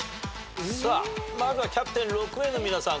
まずはキャプテン６名の皆さん